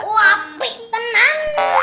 wah api tenang